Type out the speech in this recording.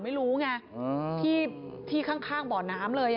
ไม่รู้ไงที่ข้างบ่อน้ำเลย